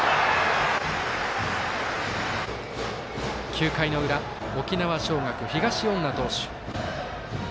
９回の裏、沖縄尚学東恩納投手。